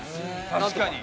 確かに。